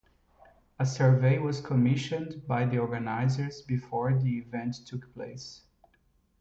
A survey was commissioned by the organisers before the event took place.